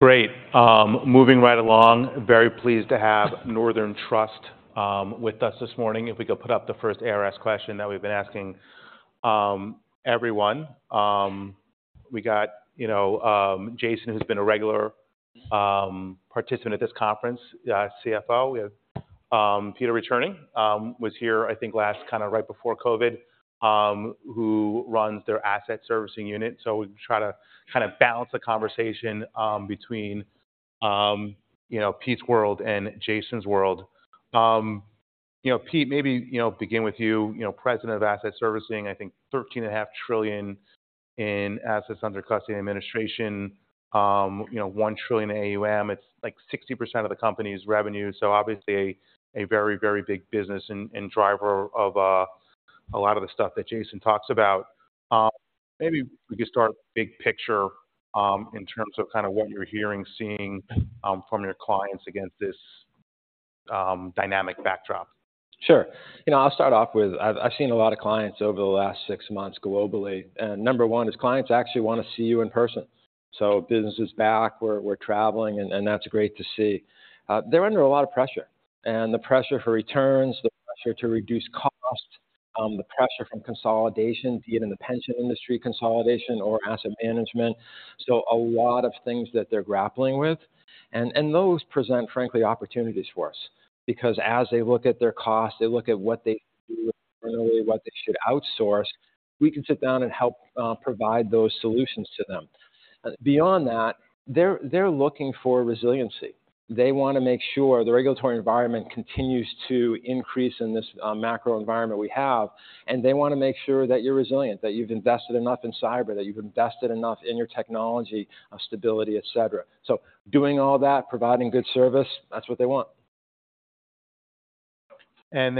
Great. Moving right along, very pleased to have Northern Trust with us this morning. If we could put up the first ARS question that we've been asking everyone. We got, you know, Jason, who's been a regular participant at this conference, CFO. We have Peter returning, was here, I think, last kind of right before COVID, who runs their asset servicing unit. So we try to kind of balance the conversation between, you know, Pete's world and Jason's world. You know, Pete, maybe begin with you. President of Asset Servicing, I think $13.5 trillion in assets under custody and administration. One trillion AUM, it's like 60% of the company's revenue. So obviously a very, very big business and driver of a lot of the stuff that Jason talks about. Maybe we could start big picture in terms of kind of what you're hearing, seeing from your clients against this dynamic backdrop. Sure. You know, I'll start off with I've seen a lot of clients over the last six months globally, and number one is clients actually wanna see you in person. So business is back, we're traveling, and that's great to see. They're under a lot of pressure, and the pressure for returns, the pressure to reduce cost, the pressure from consolidation, be it in the pension industry consolidation or Asset Management. So a lot of things that they're grappling with, and those present, frankly, opportunities for us. Because as they look at their costs, they look at what they do, what they should outsource, we can sit down and help provide those solutions to them. Beyond that, they're looking for resiliency. They wanna make sure the regulatory environment continues to increase in this macro environment we have, and they wanna make sure that you're resilient, that you've invested enough in cyber, that you've invested enough in your technology stability, et cetera. So doing all that, providing good service, that's what they want. Can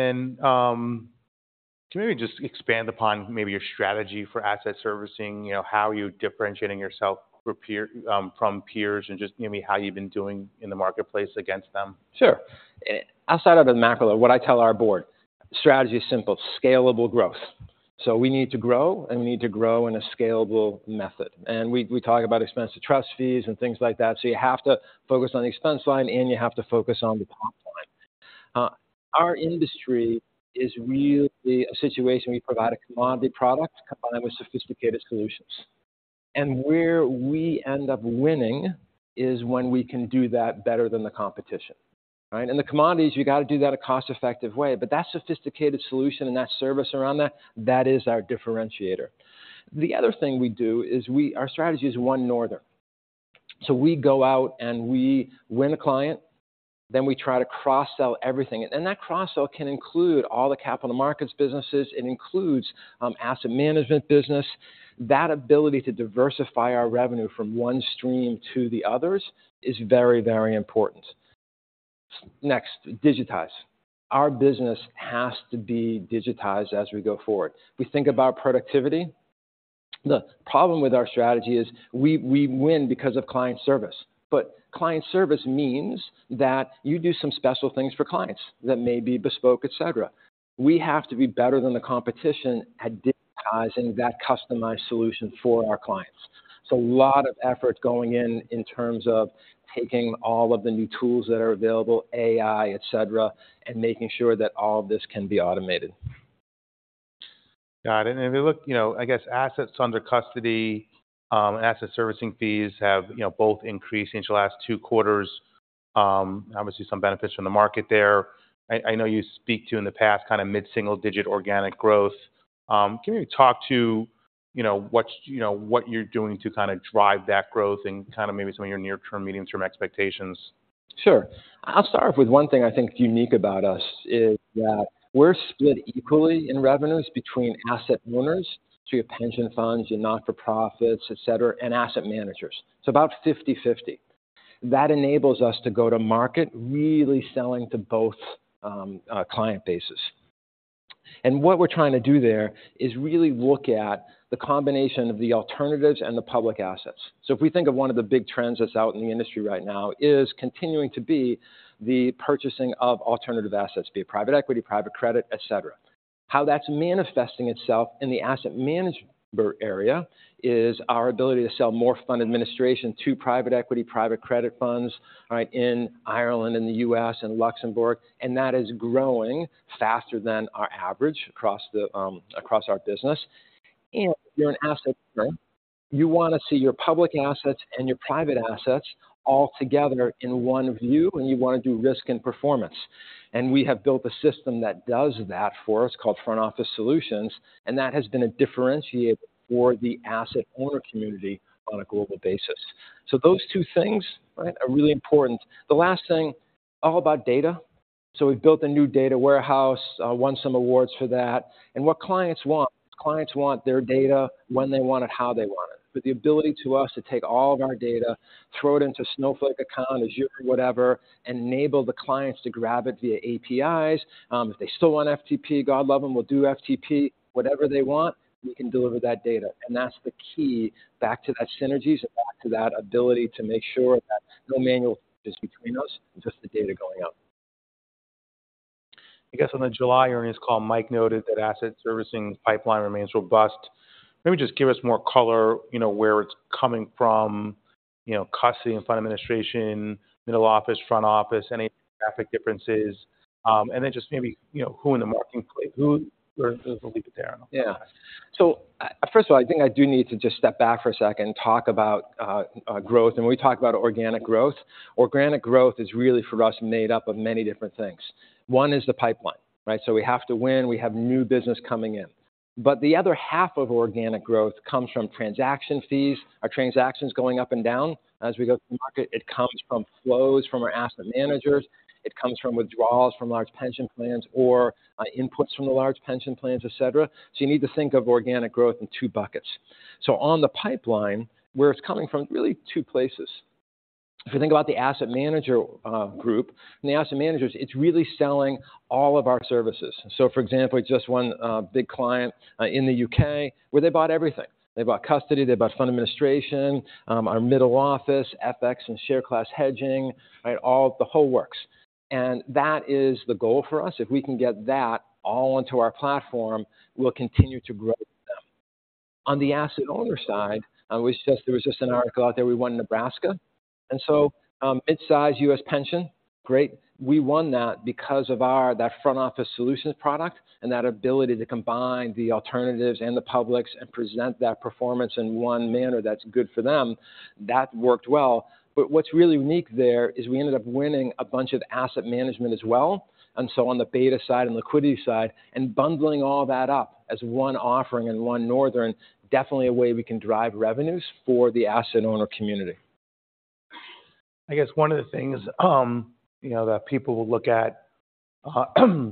you maybe just expand upon maybe your strategy for asset servicing, you know, how you're differentiating yourself from peers, and just maybe how you've been doing in the marketplace against them? Sure. Outside of the macro, what I tell our board, strategy is simple, scalable growth. So we need to grow, and we need to grow in a scalable method. And we talk about expense to trust fees and things like that. So you have to focus on the expense line, and you have to focus on the top line. Our industry is really a situation where you provide a commodity product combined with sophisticated solutions. And where we end up winning is when we can do that better than the competition, right? And the commodities, you got to do that a cost-effective way, but that sophisticated solution and that service around that, that is our differentiator. The other thing we do is we, our strategy is One Northern. So we go out, and we win a client, then we try to cross-sell everything. That cross-sell can include all the capital markets businesses, it includes, Asset Management business. That ability to diversify our revenue from one stream to the others is very, very important. Next, digitize. Our business has to be digitized as we go forward. We think about productivity. The problem with our strategy is we, we win because of client service, but client service means that you do some special things for clients that may be bespoke, et cetera. We have to be better than the competition at digitizing that customized solution for our clients. So a lot of effort going in in terms of taking all of the new tools that are available, AI, et cetera, and making sure that all of this can be automated. Got it. And if we look, you know, I guess assets under custody, asset servicing fees have, you know, both increased into the last two quarters. Obviously, some benefits from the market there. I know you speak to in the past, kind of mid-single digit organic growth. Can you talk to, you know, what, you know, what you're doing to kind of drive that growth and kind of maybe some of your near-term, medium-term expectations? Sure. I'll start off with one thing I think is unique about us is that we're split equally in revenues between asset owners, so your pension funds, your not-for-profits, et cetera, and asset managers. So about 50/50. That enables us to go to market, really selling to both, client bases. And what we're trying to do there is really look at the combination of the alternatives and the public assets. So if we think of one of the big trends that's out in the industry right now, is continuing to be the purchasing of alternative assets, be it private equity, private credit, et cetera. How that's manifesting itself in the Asset Management area is our ability to sell more fund administration to private equity, private credit funds, right? In Ireland, in the U.S., and Luxembourg, and that is growing faster than our average across our business. And you're an asset owner. You wanna see your public assets and your private assets all together in one view, and you wanna do risk and performance. And we have built a system that does that for us, called Front Office Solutions, and that has been a differentiator for the asset owner community on a global basis. So those two things, right, are really important. The last thing, all about data. So we've built a new data warehouse, won some awards for that. And what clients want, clients want their data when they want it, how they want it. But the ability to us to take all of our data, throw it into Snowflake account, Azure, whatever, enable the clients to grab it via APIs. If they still want FTP, God love them, we'll do FTP. Whatever they want, we can deliver that data, and that's the key back to that synergies and back to that ability to make sure that no manual is between us, just the data going out. I guess on the July earnings call, Mike noted that asset servicing pipeline remains robust. Maybe just give us more color, you know, where it's coming from, you know, custody and fund administration, middle office, front office, any traffic differences. And then just maybe, you know, who in the marketplace, who are those? Yeah. So, first of all, I think I do need to just step back for a second and talk about growth. When we talk about organic growth, organic growth is really, for us, made up of many different things. One is the pipeline, right? So we have to win, we have new business coming in. But the other half of organic growth comes from transaction fees, our transactions going up and down as we go to market. It comes from flows from our asset managers, it comes from withdrawals from large pension plans or, inputs from the large pension plans, et cetera. So you need to think of organic growth in two buckets. So on the pipeline, where it's coming from, really two places. If you think about the asset manager group, and the asset managers, it's really selling all of our services. So for example, just one big client in the U.K., where they bought everything. They bought custody, they bought fund administration, our middle office, FX and share class hedging, right? All the whole works. That is the goal for us. If we can get that all onto our platform, we'll continue to grow them. On the asset owner side, there was just an article out there. We won Nebraska, and so, mid-size U.S. pension, great. We won that because of our Front Office Solutions product and that ability to combine the alternatives and the publics and present that performance in one manner that's good for them. That worked well. But what's really unique there is we ended up winning a bunch of Asset Management as well, and so on the beta side and liquidity side, and bundling all that up as one offering and One Northern, definitely a way we can drive revenues for the asset owner community. I guess one of the things, you know, that people will look at, you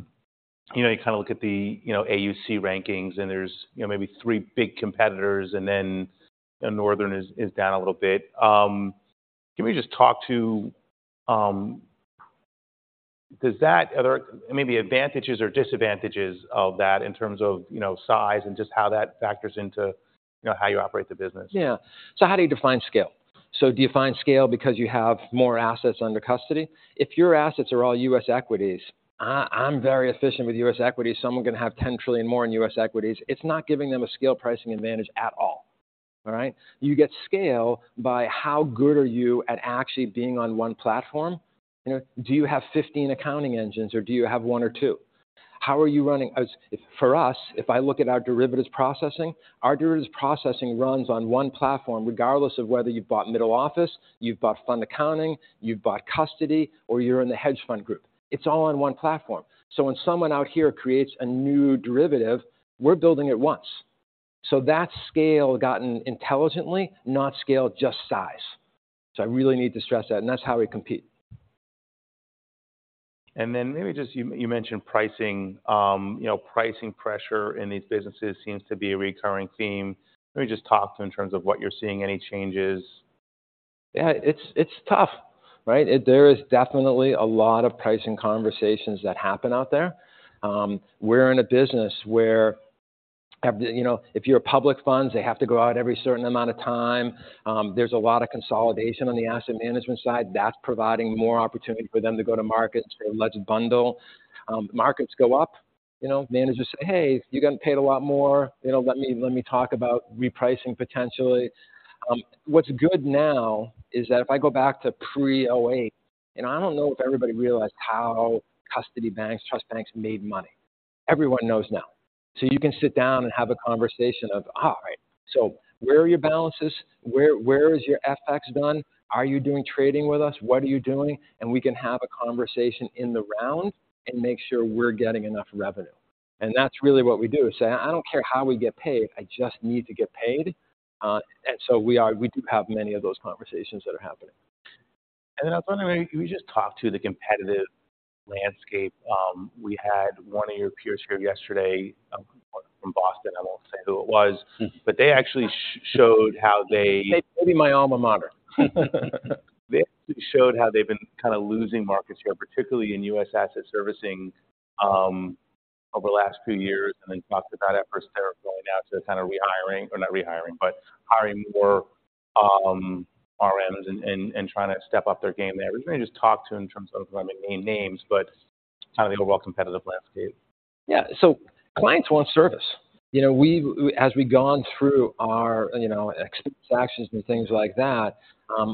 know, you kind of look at the, you know, AUC rankings, and there's, you know, maybe three big competitors, and then Northern is down a little bit. Can we just talk to, does that, are there maybe advantages or disadvantages of that in terms of, you know, size and just how that factors into, you know, how you operate the business? Yeah. So how do you define scale? So do you define scale because you have more assets under custody? If your assets are all U.S. equities, I, I'm very efficient with U.S. equities, someone can have 10 trillion more in U.S. equities. It's not giving them a scale pricing advantage at all. All right? You get scale by how good are you at actually being on one platform. You know, do you have 15 accounting engines or do you have one or two? How are you running as-- For us, if I look at our derivatives processing, our derivatives processing runs on one platform, regardless of whether you've bought middle office, you've bought fund accounting, you've bought custody, or you're in the hedge fund group. It's all on one platform. So when someone out here creates a new derivative, we're building it once. That's scale gotten intelligently, not scale, just size. I really need to stress that, and that's how we compete. And then maybe just you mentioned pricing. You know, pricing pressure in these businesses seems to be a recurring theme. Let me just talk to in terms of what you're seeing, any changes? Yeah, it's, it's tough, right? There is definitely a lot of pricing conversations that happen out there. We're in a business where, you know, if you're a public funds, they have to go out every certain amount of time. There's a lot of consolidation on the Asset Management side. That's providing more opportunity for them to go to market and let's bundle. Markets go up, you know, managers say, "Hey, you gotten paid a lot more. You know, let me, let me talk about repricing, potentially." What's good now is that if I go back to pre-2008, and I don't know if everybody realized how custody banks, trust banks made money. Everyone knows now. So you can sit down and have a conversation of, "All right, so where are your balances? Where, where is your FX done? Are you doing trading with us? What are you doing?" And we can have a conversation in the round and make sure we're getting enough revenue. And that's really what we do. So I don't care how we get paid, I just need to get paid. And so we do have many of those conversations that are happening. Then I was wondering, can we just talk to the competitive landscape? We had one of your peers here yesterday, from Boston. I won't say who it was. But they actually showed how they- Maybe my alma mater. They showed how they've been kind of losing markets here, particularly in U.S. Asset Servicing, over the last two years, and then talked about efforts they're going out to kind of rehiring or not rehiring, but hiring more, RMs and trying to step up their game there. We can just talk to in terms of naming names, but kind of the overall competitive landscape. Yeah. So clients want service. You know, we've, as we've gone through our, you know, actions and things like that,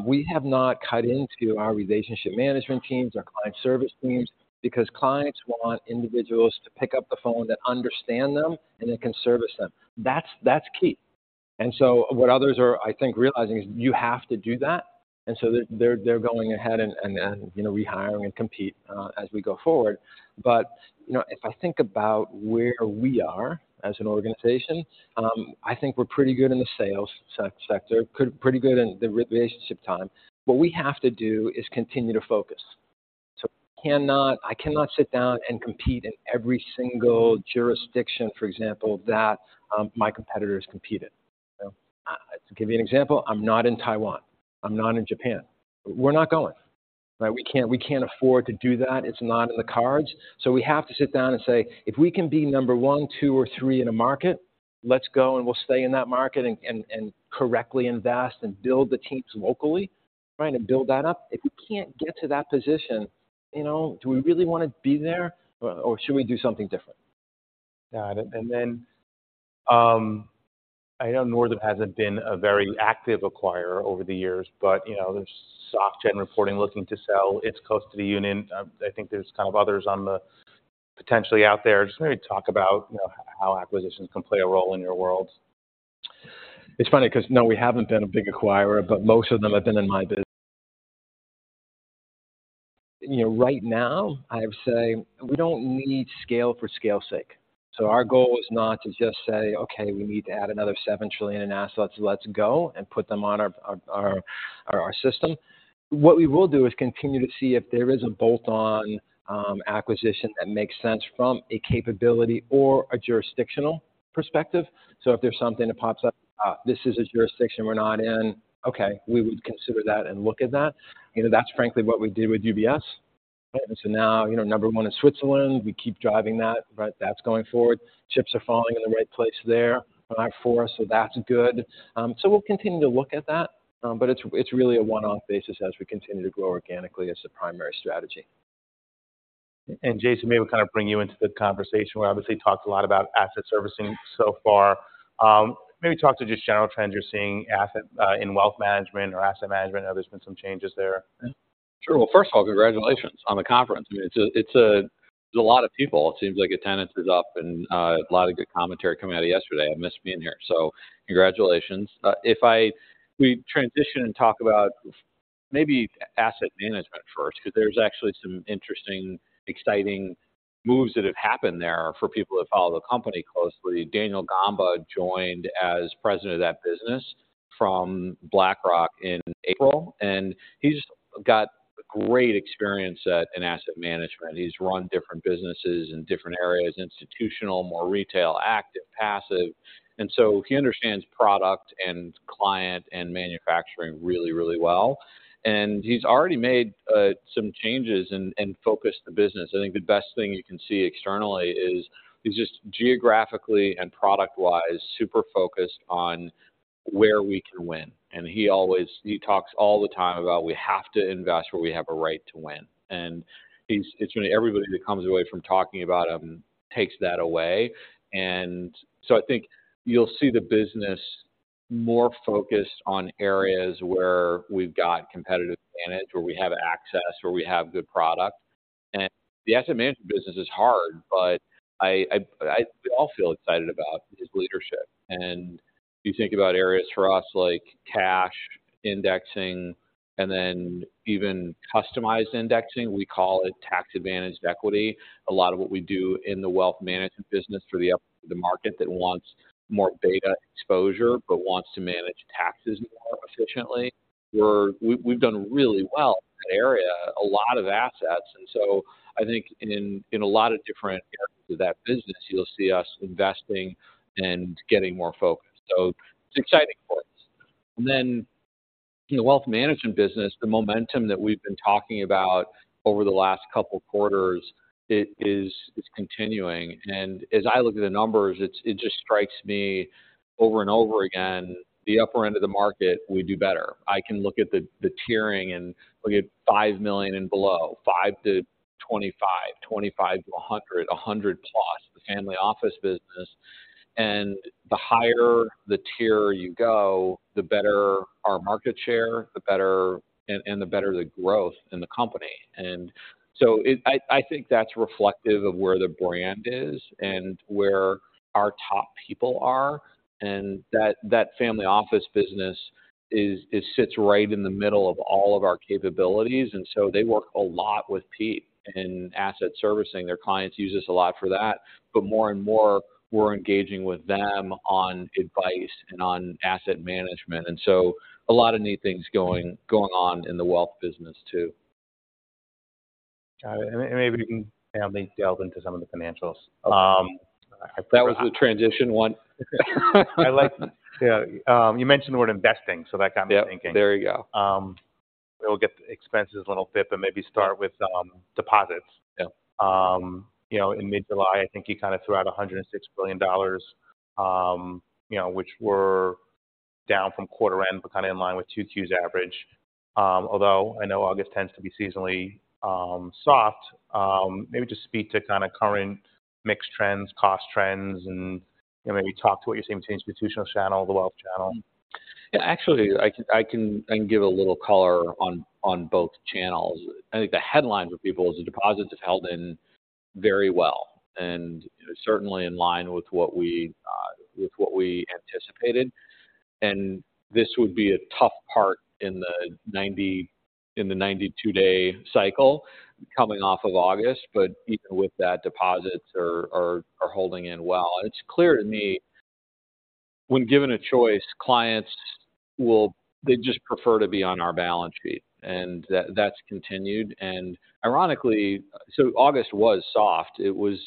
we have not cut into our relationship management teams, our client service teams, because clients want individuals to pick up the phone that understand them and that can service them. That's key. And so what others are, I think, realizing is you have to do that, and so they're going ahead and, you know, rehiring and compete as we go forward. But, you know, if I think about where we are as an organization, I think we're pretty good in the sales sector, pretty good in the relationship team. What we have to do is continue to focus. So I cannot sit down and compete in every single jurisdiction, for example, that my competitors compete in. So, to give you an example, I'm not in Taiwan, I'm not in Japan. We're not going, right? We can't, we can't afford to do that. It's not in the cards. So we have to sit down and say, "If we can be number one, two, or three in a market, let's go, and we'll stay in that market and, and, and correctly invest and build the teams locally." trying to build that up. If we can't get to that position, you know, do we really want to be there, or, or should we do something different? Got it. And then, I know Northern hasn't been a very active acquirer over the years, but, you know, there's SunGard reporting looking to sell. It's close to the union. I think there's kind of others on the potentially out there. Just maybe talk about, you know, how acquisitions can play a role in your world. It's funny because, no, we haven't been a big acquirer, but most of them have been in my business. You know, right now, I would say we don't need scale for scale's sake. So our goal is not to just say, "Okay, we need to add another 7 trillion in assets, let's go and put them on our system." What we will do is continue to see if there is a bolt-on acquisition that makes sense from a capability or a jurisdictional perspective. So if there's something that pops up, this is a jurisdiction we're not in, okay, we would consider that and look at that. You know, that's frankly what we did with UBS. Right? And so now, you know, number one in Switzerland, we keep driving that. Right? That's going forward. Chips are falling in the right place there, for us, so that's good. So we'll continue to look at that, but it's really a one-off basis as we continue to grow organically as the primary strategy. And Jason, maybe we kind of bring you into the conversation. We obviously talked a lot about asset servicing so far. Maybe talk to just general trends you're seeing in Wealth Management or Asset Management. I know there's been some changes there. Sure. Well, first of all, congratulations on the conference. I mean, there's a lot of people. It seems like attendance is up and a lot of good commentary coming out of yesterday. I missed being here, so congratulations. If we transition and talk about maybe Asset Management first, because there's actually some interesting, exciting moves that have happened there for people that follow the company closely. Daniel Gamba joined as president of that business from BlackRock in April, and he's got great experience in Asset Management. He's run different businesses in different areas: institutional, more retail, active, passive. And so he understands product and client and manufacturing really, really well, and he's already made some changes and focused the business. I think the best thing you can see externally is he's just geographically and product-wise super focused on where we can win. And he always he talks all the time about we have to invest where we have a right to win. And he's it's when everybody that comes away from talking about him takes that away. And so I think you'll see the business more focused on areas where we've got competitive advantage, where we have access, where we have good product. And the Asset Management business is hard, but I we all feel excited about his leadership. And you think about areas for us, like cash indexing and then even customized indexing. We call it Tax-Advantaged Equity. A lot of what we do in the Wealth Management business for the upper market that wants more beta exposure, but wants to manage taxes more efficiently, we've done really well in that area, a lot of assets. And so I think in a lot of different areas of that business, you'll see us investing and getting more focused. So it's exciting for us. And then in the Wealth Management business, the momentum that we've been talking about over the last couple quarters, it's continuing. And as I look at the numbers, it just strikes me over and over again, the upper end of the market, we do better. I can look at the tiering and look at $5 million and below, $5-$25 million, $25-$100 million, $100 million plus, the family office business. And the higher the tier you go, the better our market share, the better, and the better the growth in the company. And so it. I think that's reflective of where the brand is and where our top people are, and that family office business is. It sits right in the middle of all of our capabilities, and so they work a lot with Pete in asset servicing. Their clients use us a lot for that, but more and more, we're engaging with them on advice and on Asset Management, and so a lot of new things going on in the wealth business too. Got it. And maybe we can have them delve into some of the financials. Um- That was the transition one. I like, yeah, you mentioned the word investing, so that got me thinking. Yep, there you go. We'll get the expenses in a little bit, but maybe start with deposits. Yeah. You know, in mid-July, I think you kind of threw out $106 billion, you know, which were down from quarter end, but kind of in line with 2Q's average. Although I know August tends to be seasonally soft, maybe just speak to kind of current mix trends, cost trends, and, you know, maybe talk to what you're seeing to the institutional channel, the wealth channel. Yeah. Actually, I can, I can, I can give a little color on, on both channels. I think the headlines with people is the deposits have held in very well, and certainly in line with what we, with what we anticipated. And this would be a tough part in the 90, in the 92-day cycle coming off of August, but even with that, deposits are, are, are holding in well. It's clear to me, when given a choice, clients will, they just prefer to be on our balance sheet, and that, that's continued. And ironically. So August was soft. It was.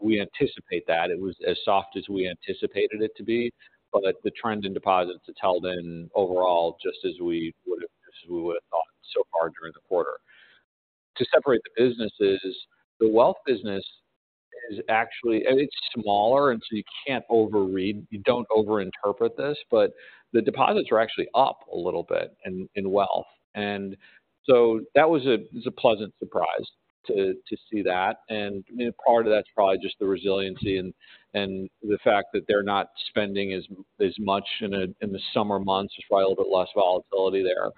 We anticipate that. It was as soft as we anticipated it to be, but the trends in deposits to tell then overall, just as we would've, just as we would've thought so far during the quarter. To separate the businesses, the wealth business is actually, it's smaller, and so you can't overread. You don't overinterpret this, but the deposits are actually up a little bit in, in wealth. And so that was a, was a pleasant surprise to, to see that. And, you know, part of that's probably just the resiliency and, and the fact that they're not spending as, as much in the, in the summer months. There's probably a little bit less volatility there.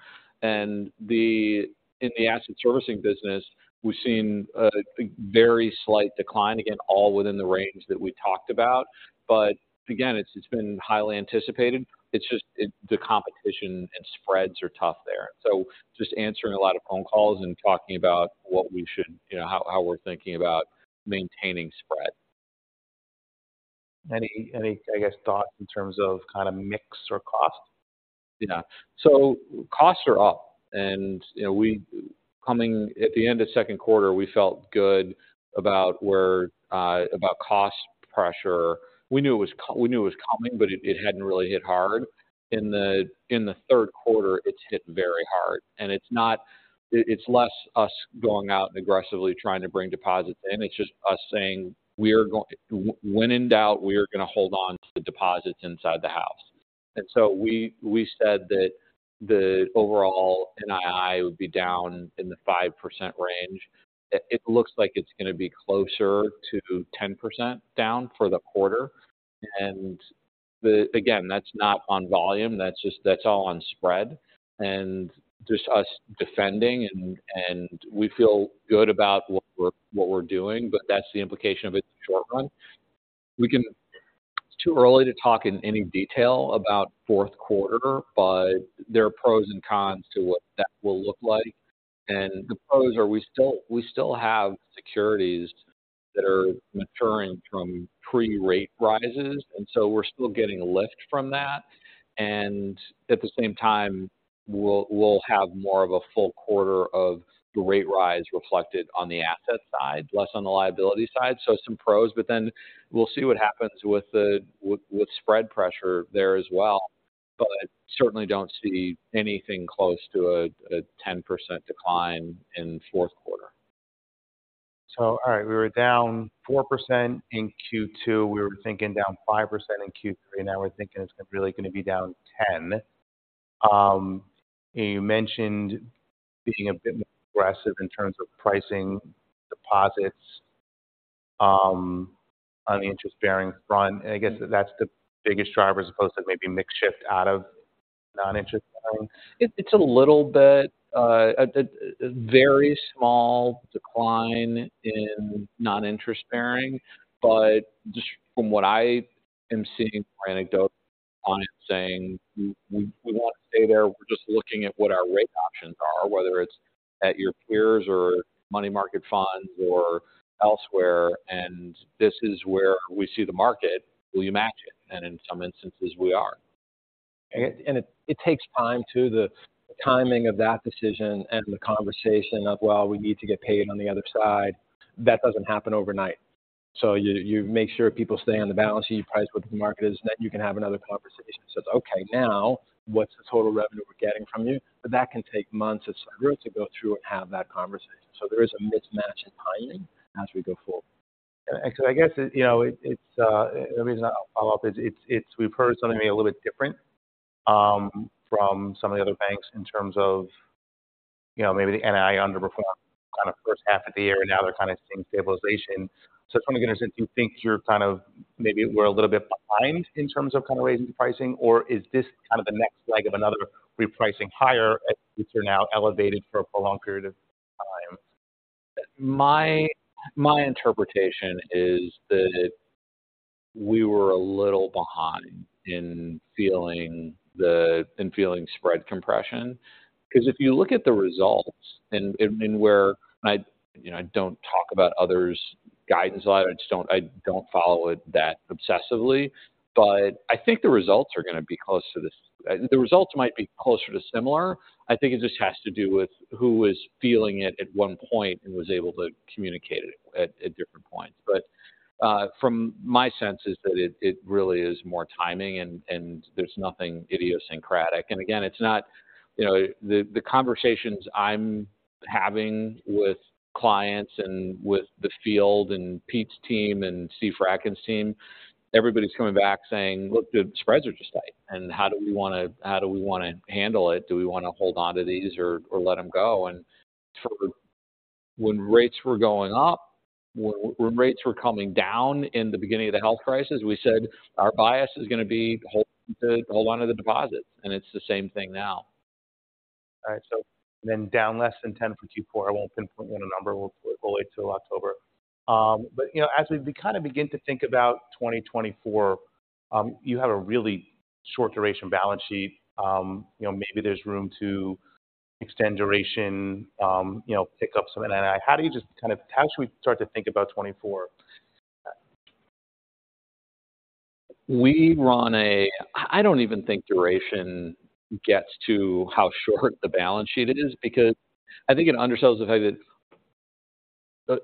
And the, in the asset servicing business, we've seen a, a very slight decline, again, all within the range that we talked about. But again, it's, it's been highly anticipated. It's just, it, the competition and spreads are tough there. So just answering a lot of phone calls and talking about what we should, you know, how, how we're thinking about maintaining spread. Any, I guess, thoughts in terms of kind of mix or cost? Yeah. So costs are up, and, you know, we, coming at the end of second quarter, we felt good about where about cost pressure. We knew it was coming, but it hadn't really hit hard. In the third quarter, it's hit very hard, and it's less us going out and aggressively trying to bring deposits in. It's just us saying, "When in doubt, we are going to hold on to the deposits inside the house." And so we said that the overall NII would be down in the 5% range. It looks like it's going to be closer to 10% down for the quarter. And again, that's not on volume, that's just. That's all on spread, and just us defending, and, and we feel good about what we're, what we're doing, but that's the implication of it in the short run. We can. It's too early to talk in any detail about fourth quarter, but there are pros and cons to what that will look like. And the pros are, we still, we still have securities that are maturing from pre-rate rises, and so we're still getting a lift from that. And at the same time, we'll, we'll have more of a full quarter of the rate rise reflected on the asset side, less on the liability side. So some pros, but then we'll see what happens with the, with, with spread pressure there as well. But certainly don't see anything close to a, a 10% decline in fourth quarter. So all right, we were down 4% in Q2. We were thinking down 5% in Q3, and now we're thinking it's really going to be down 10%. You mentioned being a bit more aggressive in terms of pricing deposits, on the interest-bearing front, and I guess that's the biggest driver as opposed to maybe mix shift out of non-interest bearing? It's a little bit, a very small decline in non-interest bearing. But just from what I am seeing, more anecdotal clients saying, "We want to stay there. We're just looking at what our rate options are, whether it's at your peers or money market funds or elsewhere, and this is where we see the market. Will you match it?" And in some instances, we are. And it takes time, too. The timing of that decision and the conversation of, "Well, we need to get paid on the other side," that doesn't happen overnight. So you make sure people stay on the balance sheet, you price what the market is, then you can have another conversation that says, "Okay, now what's the total revenue we're getting from you?" But that can take months or so to go through and have that conversation. There is a mismatch in timing as we go forward. And so I guess, you know, it, it's the reason I'll follow up is it's, we've heard something maybe a little bit different from some of the other banks in terms of, you know, maybe the NII underperformed kind of first half of the year, and now they're kind of seeing stabilization. So from an interest, do you think you're kind of maybe we're a little bit behind in terms of kind of raising pricing, or is this kind of the next leg of another repricing higher as rates are now elevated for a prolonged period of time? My interpretation is that we were a little behind in feeling spread compression. Because if you look at the results and where I, you know, I don't talk about others' guidance a lot. I just don't follow it that obsessively, but I think the results are going to be close to the same. The results might be closer to similar. I think it just has to do with who was feeling it at one point and was able to communicate it at different points. But from my sense is that it really is more timing and there's nothing idiosyncratic. And again, it's not, you know. The conversations I'm having with clients and with the field and Pete's team and Steve Fradkin's team, everybody's coming back saying: "Look, the spreads are just tight, and how do we want to, how do we want to handle it? Do we want to hold on to these or let them go?" And for when rates were going up, when rates were coming down in the beginning of the health crisis, we said, "Our bias is going to be hold, to hold on to the deposits." And it's the same thing now. All right, so then down less than 10 for Q4, I won't pinpoint on a number. We'll wait till October. But, you know, as we kind of begin to think about 2024, you have a really short-duration balance sheet. You know, maybe there's room to extend duration, you know, pick up some NII. How do you just kind of - how should we start to think about 2024? I don't even think duration gets to how short the balance sheet is, because I think it undersells the fact that. So,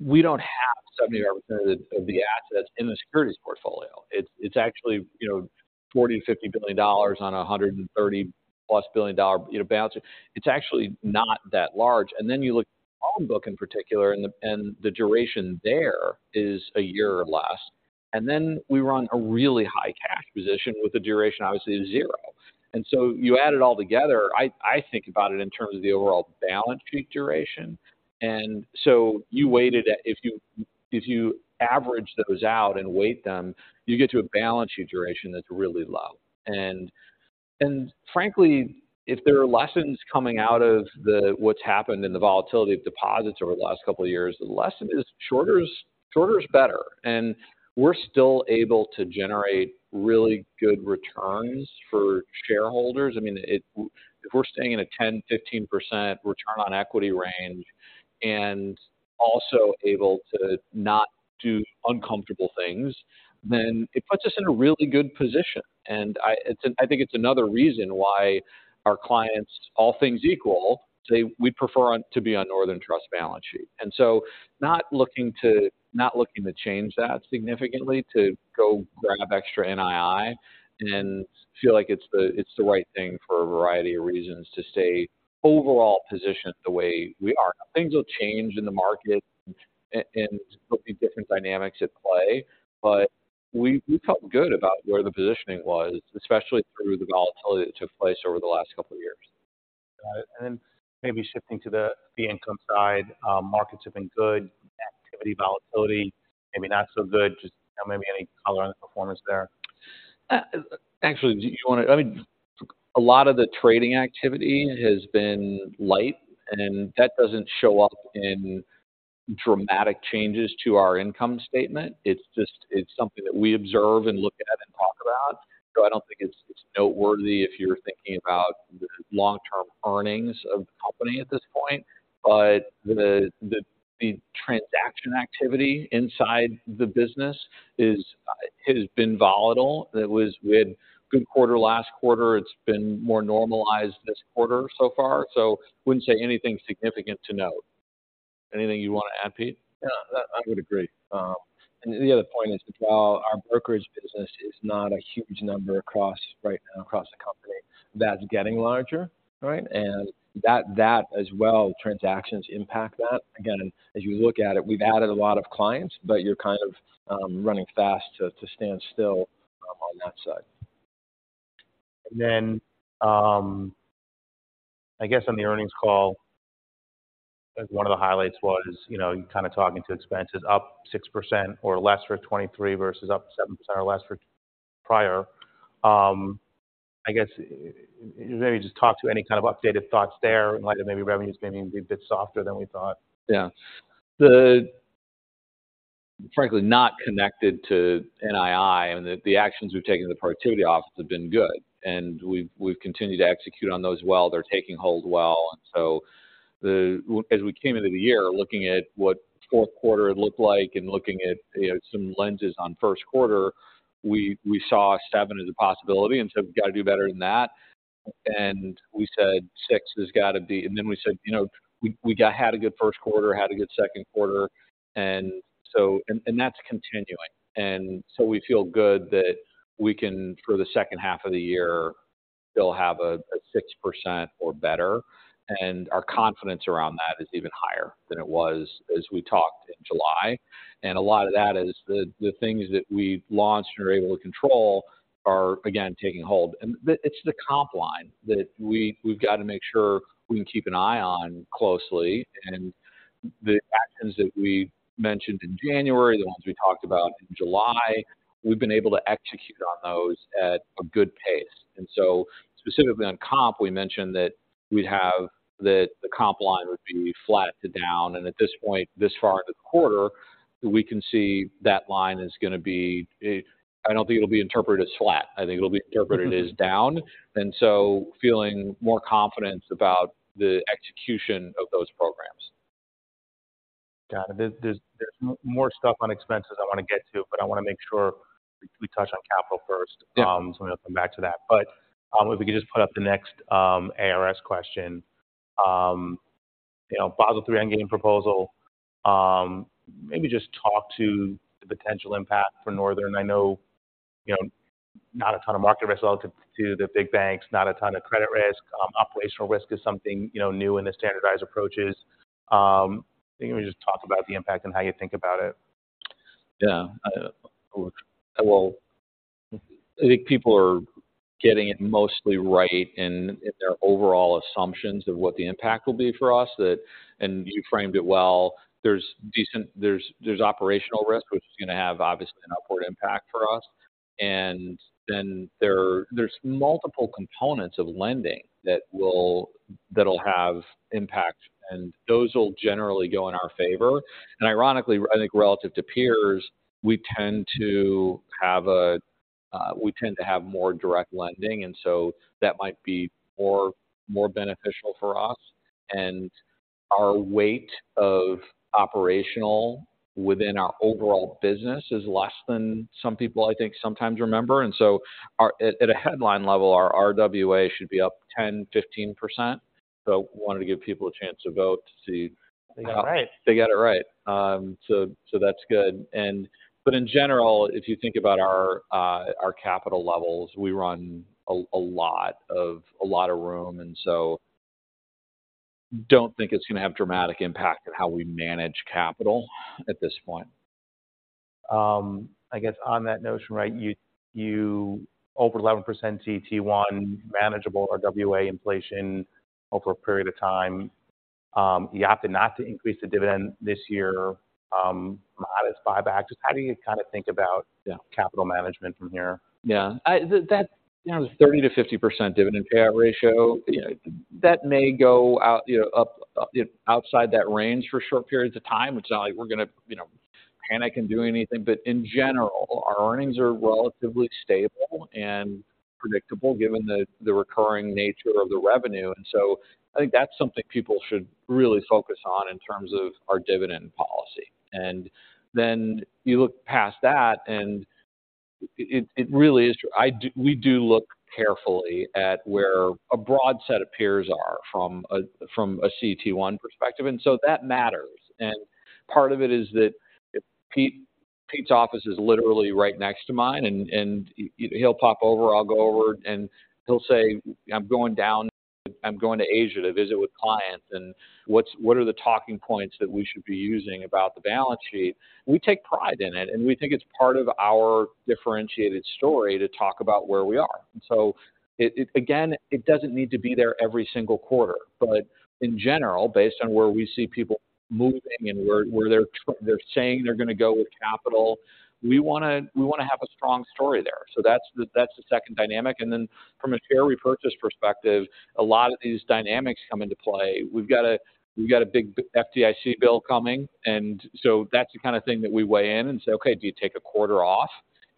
we don't have 70% of the assets in the securities portfolio. It's actually, you know, $40 billion-$50 billion on a $130+ billion, you know, balance sheet. It's actually not that large. And then you look at the loan book in particular, and the duration there is a year or less. And then we run a really high cash position with the duration, obviously, of zero. And so you add it all together, I think about it in terms of the overall balance sheet duration. And so you weighted it. If you average those out and weight them, you get to a balance sheet duration that's really low. And frankly, if there are lessons coming out of what's happened in the volatility of deposits over the last couple of years, the lesson is shorter is better. And we're still able to generate really good returns for shareholders. I mean, if we're staying in a 10%-15% return on equity range and also able to not do uncomfortable things, then it puts us in a really good position. And it's a—I think it's another reason why our clients, all things equal, say we'd prefer to be on Northern Trust's balance sheet. And so not looking to change that significantly to go grab extra NII, and feel like it's the right thing for a variety of reasons to stay overall positioned the way we are. Things will change in the market and put the different dynamics at play, but we felt good about where the positioning was, especially through the volatility that took place over the last couple of years. Got it. And then maybe shifting to the fee income side, markets have been good, activity, volatility, maybe not so good. Just maybe any color on the performance there? Actually, do you want to—I mean, a lot of the trading activity has been light, and that doesn't show up in dramatic changes to our income statement. It's just, it's something that we observe and look at and talk about. So I don't think it's noteworthy if you're thinking about the long-term earnings of the company at this point, but the transaction activity inside the business has been volatile. It was—we had a good quarter last quarter. It's been more normalized this quarter so far, so wouldn't say anything significant to note. Anything you want to add, Pete? Yeah, I would agree. And the other point is, while our brokerage business is not a huge number across, right now, across the company, that's getting larger, right? And that as well, transactions impact that. Again, as you look at it, we've added a lot of clients, but you're kind of running fast to stand still on that side. Then, I guess on the earnings call, as one of the highlights was, you know, you kind of talking to expenses up 6% or less for 2023 versus up 7% or less for prior. I guess maybe just talk to any kind of updated thoughts there, in light of maybe revenues may even be a bit softer than we thought. Yeah. The frankly, not connected to NII, and the actions we've taken in the Productivity Office have been good, and we've continued to execute on those well. They're taking hold well. And so, as we came into the year, looking at what fourth quarter looked like and looking at, you know, some lenses on first quarter, we saw 7 as a possibility, and so we've got to do better than that. And we said six has got to be, and then we said, "You know, we had a good first quarter, had a good second quarter," and so, and that's continuing. And so we feel good that we can, for the second half of the year, still have a 6% or better, and our confidence around that is even higher than it was as we talked in July. A lot of that is the things that we've launched and are able to control are, again, taking hold. It's the comp line that we've got to make sure we can keep an eye on closely. The actions that we mentioned in January, the ones we talked about in July, we've been able to execute on those at a good pace. So specifically on comp, we mentioned that we'd have that the comp line would be flat to down, and at this point, this far in the quarter, we can see that line is going to be. I don't think it'll be interpreted as flat. I think it'll be interpreted as down, and so feeling more confidence about the execution of those programs. Got it. There's more stuff on expenses I want to get to, but I want to make sure we touch on capital first. Yeah. So I'm going to come back to that. But, if we could just put up the next, ARS question. You know, Basel III Endgame proposal, maybe just talk to the potential impact for Northern. I know, you know, not a ton of market risk relative to the big banks, not a ton of credit risk. Operational risk is something, you know, new in the standardized approaches. I think we just talk about the impact and how you think about it. Yeah. Well, I think people are getting it mostly right in their overall assumptions of what the impact will be for us. That, and you framed it well. There's operational risk, which is going to have, obviously, an upward impact for us. And then there's multiple components of lending that will, that'll have impact, and those will generally go in our favor. And ironically, I think relative to peers, we tend to have more direct lending, and so that might be more beneficial for us. And our weight of operational within our overall business is less than some people, I think, sometimes remember. And so at a headline level, our RWA should be up 10%-15%, so wanted to give people a chance to vote to see- They got it right. They got it right. So that's good. But in general, if you think about our capital levels, we run a lot of room, and so don't think it's gonna have dramatic impact on how we manage capital at this point. I guess on that notion, right, you, you over 11% CET1 manageable or RWA inflation over a period of time. You opted not to increase the dividend this year, modest buyback. Just how do you kind of think about- Yeah Capital management from here? Yeah. That 30%-50% dividend payout ratio, you know, that may go out, you know, outside that range for short periods of time. It's not like we're gonna, you know, panic and do anything, but in general, our earnings are relatively stable and predictable, given the recurring nature of the revenue. And so I think that's something people should really focus on in terms of our dividend policy. And then you look past that, and it really is. We do look carefully at where a broad set of peers are from a CET1 perspective, and so that matters. Part of it is that Pete's office is literally right next to mine, and he'll pop over, I'll go over, and he'll say, "I'm going to Asia to visit with clients, and what are the talking points that we should be using about the balance sheet?" We take pride in it, and we think it's part of our differentiated story to talk about where we are. So again, it doesn't need to be there every single quarter, but in general, based on where we see people moving and where they're saying they're going to go with capital, we wanna have a strong story there. So that's the second dynamic. Then from a share repurchase perspective, a lot of these dynamics come into play. We've got a, we've got a big FDIC bill coming, and so that's the kind of thing that we weigh in and say: Okay, do you take a quarter off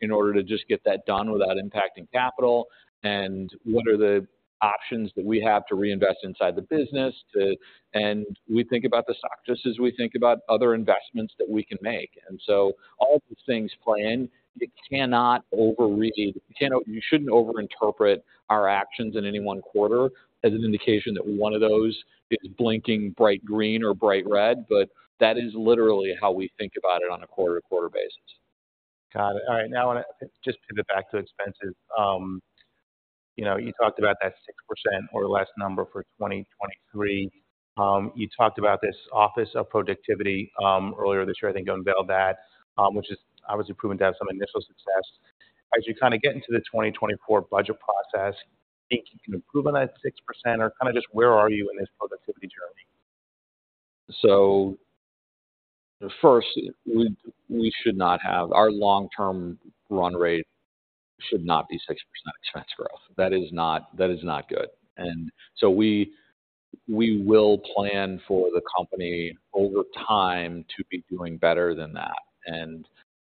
in order to just get that done without impacting capital? And what are the options that we have to reinvest inside the business to, and we think about the stock just as we think about other investments that we can make. And so all of these things play in. You cannot overread, you cannot, you shouldn't overinterpret our actions in any one quarter as an indication that one of those is blinking bright green or bright red, but that is literally how we think about it on a quarter-to-quarter basis. Got it. All right, now I want to just pivot back to expenses. You know, you talked about that 6% or less number for 2023. You talked about this office of productivity earlier this year, I think, unveiled that, which is obviously proven to have some initial success. As you kind of get into the 2024 budget process, do you think you can improve on that 6%, or kind of just where are you in this productivity journey? So first, we should not have our long-term run rate be 6% expense growth. That is not good. So we will plan for the company over time to be doing better than that.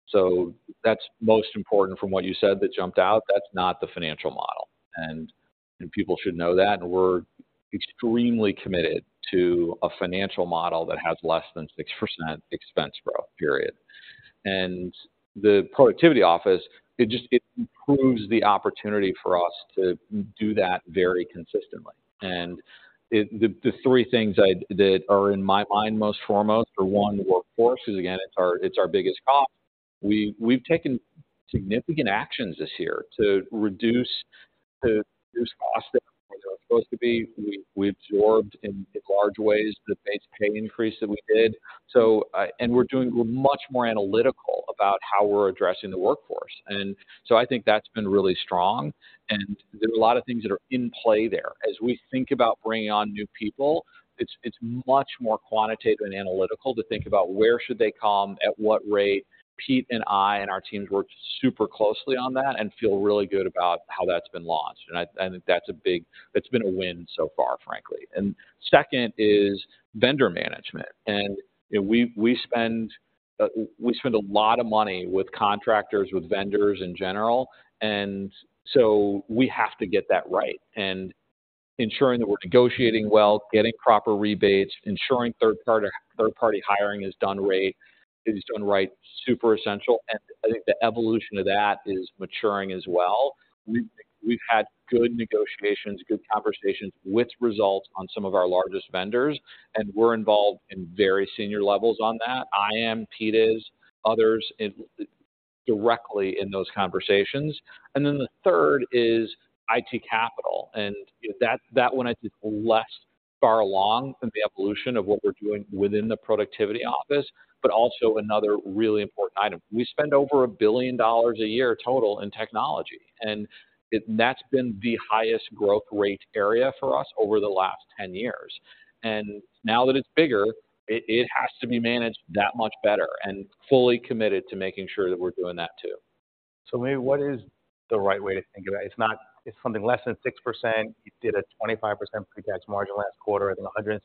So that's most important from what you said, that jumped out. That's not the financial model, and people should know that. We're extremely committed to a financial model that has less than 6% expense growth, period. The Productivity Office just improves the opportunity for us to do that very consistently. And the three things that are in my mind most foremost are one, workforce, because again, it's our biggest cost. We've taken significant actions this year to reduce costs that were supposed to be. We, we absorbed in large ways the base pay increase that we did. So, and we're doing, we're much more analytical about how we're addressing the workforce. And so I think that's been really strong, and there are a lot of things that are in play there. As we think about bringing on new people, it's, it's much more quantitative and analytical to think about where should they come, at what rate. Pete and I and our teams work super closely on that and feel really good about how that's been launched. And I, and that's a big-- that's been a win so far, frankly. And second is vendor management. And, you know, we, we spend, we spend a lot of money with contractors, with vendors in general, and so we have to get that right. Ensuring that we're negotiating well, getting proper rebates, ensuring third party, third-party hiring is done right, is done right, super essential. I think the evolution of that is maturing as well. We've had good negotiations, good conversations with results on some of our largest vendors, and we're involved in very senior levels on that. I am, Pete is, others directly in those conversations. Then the third is IT capital, and that one, I think, is less far along in the evolution of what we're doing within the Productivity Office, but also another really important item. We spend over $1 billion a year total in technology, and that's been the highest growth rate area for us over the last 10 years. Now that it's bigger, it has to be managed that much better and fully committed to making sure that we're doing that too. So maybe what is the right way to think about it? It's not--it's something less than 6%. You did a 25% pre-tax margin last quarter at 116%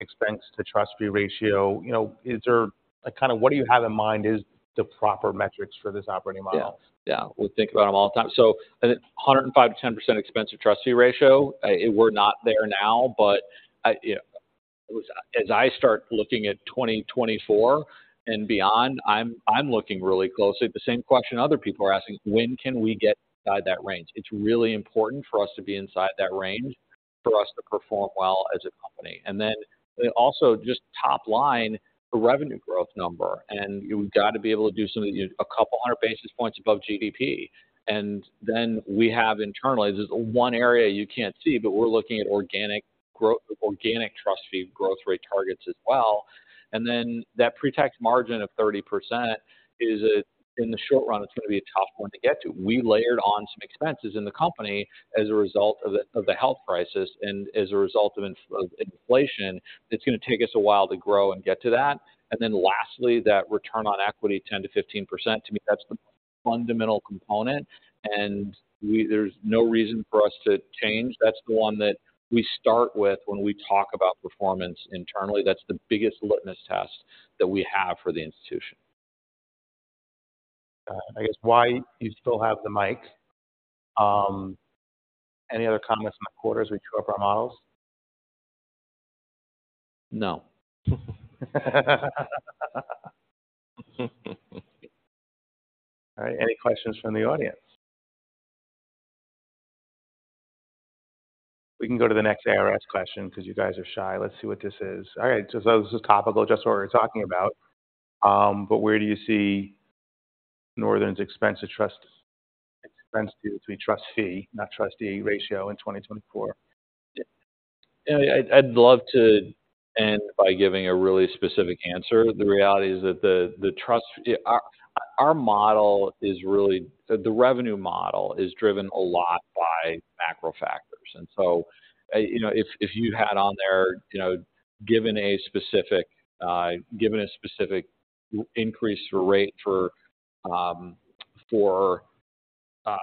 expense-to-trust fee ratio. You know, is there a kind of--what do you have in mind is the proper metrics for this operating model? Yeah, yeah. We think about them all the time. So 5%-10% expense-to-trust fee ratio, we're not there now, but, you know— As I start looking at 2024 and beyond, I'm looking really closely at the same question other people are asking: When can we get inside that range? It's really important for us to be inside that range for us to perform well as a company. And then also just top line, the revenue growth number, and we've got to be able to do something a couple hundred basis points above GDP. And then we have internally, there's one area you can't see, but we're looking at organic growth— organic trust fee growth rate targets as well. And then that pre-tax margin of 30% is, in the short run, it's going to be a tough one to get to. We layered on some expenses in the company as a result of the health crisis and as a result of inflation. It's going to take us a while to grow and get to that. And then lastly, that return on equity, 10%-15%, to me, that's the fundamental component, and there's no reason for us to change. That's the one that we start with when we talk about performance internally. That's the biggest litmus test that we have for the institution. I guess while you still have the mic, any other comments from the quarters we tore up our models? No. All right, any questions from the audience? We can go to the next IR question because you guys are shy. Let's see what this is. All right, so this is topical, just what we're talking about. But where do you see Northern's expense to trust fee, not trust fee ratio in 2024? Yeah, I'd love to end by giving a really specific answer. The reality is that our model is really, the revenue model is driven a lot by macro factors. And so, you know, if you had on there, you know, given a specific increase or rate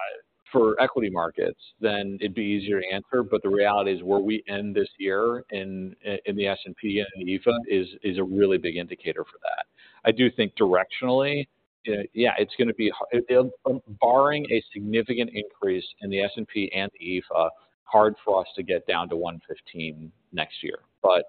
for equity markets, then it'd be easier to answer. But the reality is, where we end this year in the S&P and EAFE is a really big indicator for that. I do think directionally, yeah, it's going to be, barring a significant increase in the S&P and EAFE, hard for us to get down to $115 next year. But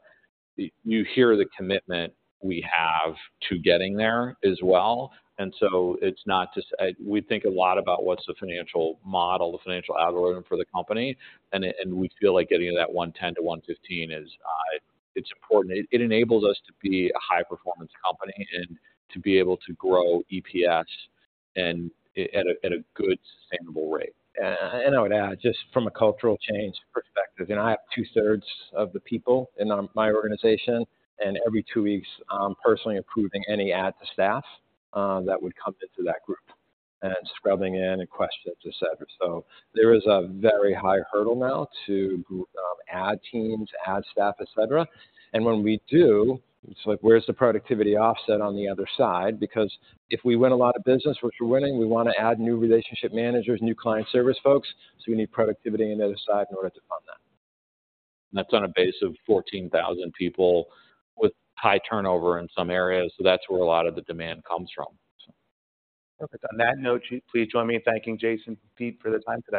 you hear the commitment we have to getting there as well. So it's not just. We think a lot about what's the financial model, the financial algorithm for the company, and we feel like getting to that 110-115 is important. It enables us to be a high performance company and to be able to grow EPS at a good sustainable rate. I would add, just from a cultural change perspective, you know, I have two-thirds of the people in my organization, and every two weeks, I'm personally approving any add to staff that would come into that group, and scrubbing in and questions, et cetera. So there is a very high hurdle now to add teams, add staff, et cetera. And when we do, it's like, where's the productivity offset on the other side? Because if we win a lot of business, which we're winning, we want to add new relationship managers, new client service folks, so we need productivity on the other side in order to fund that. That's on a base of 14,000 people with high turnover in some areas, so that's where a lot of the demand comes from. Okay. On that note, please join me in thanking Jason, Pete, for their time today.